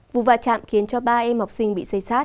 vụ vạ chạm khiến cho ba em học sinh bị xây xát